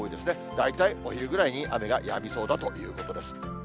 大体お昼ぐらいに雨がやみそうだということです。